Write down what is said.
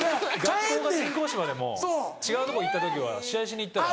学校が人工芝でも違うとこ行った時は試合しに行ったら。